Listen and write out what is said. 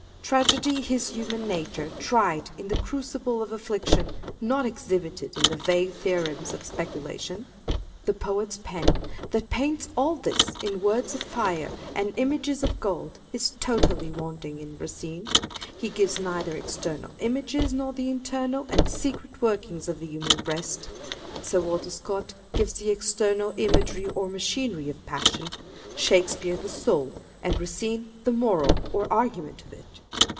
Tragedy is human nature tried in the crucible of affliction, not exhibited in the vague theorems of specu lation. The poet's pen that paints all this in words of fire and images of gold is totally wanting in Racine. He gives neither external images nor the internal and secret workings of the human breast. Sir Walter Scott gives the external imagery or machinery of passion ; Shakespeare the soul ; and Racine the moral or argument of it.